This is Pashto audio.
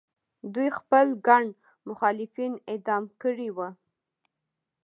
دوی خپل ګڼ مخالفین اعدام کړي وو.